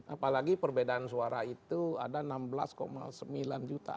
apalagi perbedaan suara itu ada enam belas sembilan juta